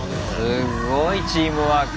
すっごいチームワーク。